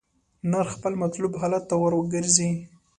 نرخ خپل مطلوب حالت ته ورګرځي.